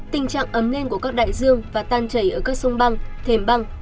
tình trạng ấm lên của các đại dương và tan chảy ở các sông băng thềm băng